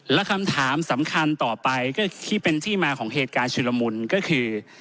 และคำถามสำคัญต่อไปก็ที่เป็นที่มาของเหตุการณ์ชุลมุนก็คือ